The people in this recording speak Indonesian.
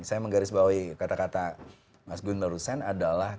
saya menggarisbawahi kata kata mas gunnar hussien adalah